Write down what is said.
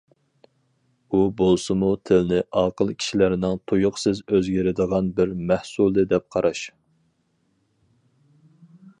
ئۇ بولسىمۇ تىلنى ئاقىل كىشىلەرنىڭ تۇيۇقسىز ئۆزگىرىدىغان بىر مەھسۇلى دەپ قاراش.